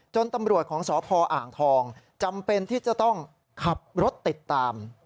ตำรวจของสพอ่างทองจำเป็นที่จะต้องขับรถติดตาม